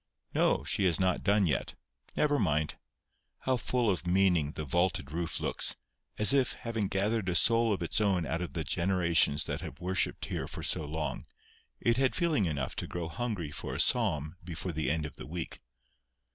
No. She has not done yet. Never mind.—How full of meaning the vaulted roof looks! as if, having gathered a soul of its own out of the generations that have worshipped here for so long, it had feeling enough to grow hungry for a psalm before the end of the week.